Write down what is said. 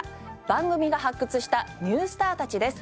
番組が発掘したニュースターたちです。